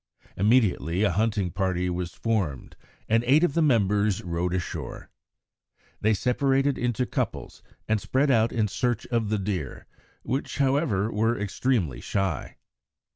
Immediately a hunting party was formed, and eight of the members rowed ashore. They separated into couples and spread out in search of the deer, which, however, were extremely shy.